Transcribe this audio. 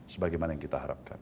sebagaimana yang kita harapkan